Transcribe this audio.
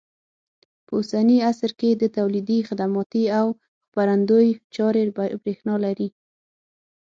په اوسني عصر کې د تولیدي، خدماتي او خپرندوی چارې برېښنا لري.